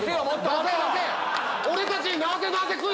俺たちに。